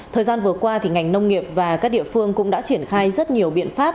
thời gian vừa qua ngành nông nghiệp và các địa phương cũng đã triển khai rất nhiều biện pháp